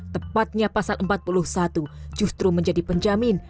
tepatnya pasal empat puluh satu justru menjadi penjamin